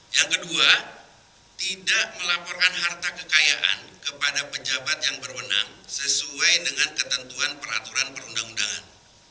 yang kedua tidak melaporkan harta kekayaan kepada pejabat yang berwenang sesuai dengan ketentuan peraturan perundang undangan